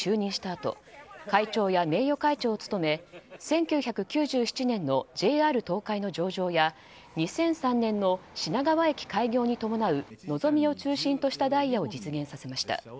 あと会長や名誉会長を務め１９９７年のＪＲ東海の上場や２００３年の品川駅開業に伴う「のぞみ」を中心としたダイヤを実現させました。